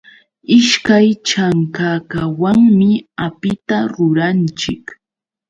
Ishkay chankakawanmi apita ruranchik.